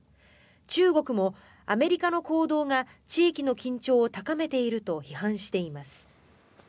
中国も、アメリカの行動が地域の緊張を高めていると批判しています。